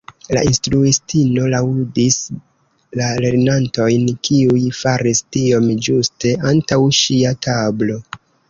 La instruistino laŭdis la lernantojn kiuj faris tiom ĝuste antaŭ ŝia tablo.